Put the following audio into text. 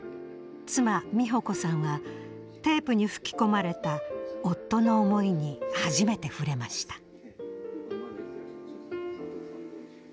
妻美保子さんはテープに吹き込まれた夫の思いに初めて触れました。